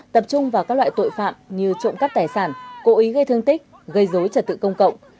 tập trung vào các loại tội phạm như trộm cắp tài sản cố ý gây thương tích gây dối trật tự công cộng